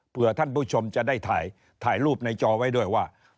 เพื่อท่านผู้ชมจะได้ถ่ายรูปในจอไว้ด้วยว่า